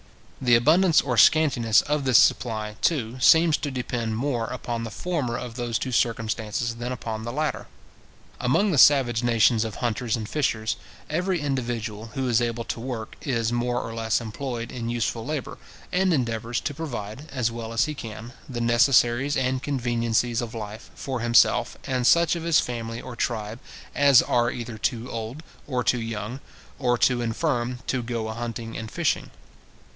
The abundance or scantiness of this supply, too, seems to depend more upon the former of those two circumstances than upon the latter. Among the savage nations of hunters and fishers, every individual who is able to work is more or less employed in useful labour, and endeavours to provide, as well as he can, the necessaries and conveniencies of life, for himself, and such of his family or tribe as are either too old, or too young, or too infirm, to go a hunting and fishing.